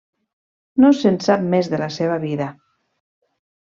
No se'n sap més de la seva vida.